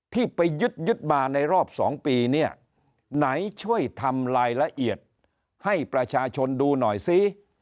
ที่ไปยึดยึดมาในรอบ๒ปีเนี่ยไหนช่วยทำรายละเอียดให้ประชาชนดูหน่อยซิ